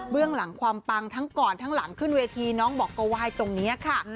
เรื่องหลังความปังทั้งก่อนทั้งหลังขึ้นเวทีน้องบอกก็ไหว้ตรงนี้ค่ะ